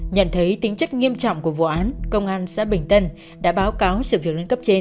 nhận thấy tính chất nghiêm trọng của vụ án công an xã bình tân đã báo cáo sự việc lên cấp trên